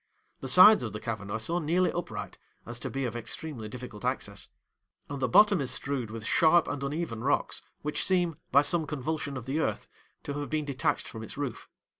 The sides of the cavern are so nearly upright, as to be of extremely difficult access; and the bottom is strewed with sharp and uneven rocks, which seem, by some convulsion of the earth, to have been detached from its roof.